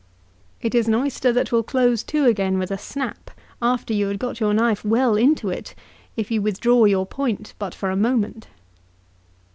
It is an oyster that will close to again with a snap, after you have got your knife well into it, if you withdraw your point but for a moment.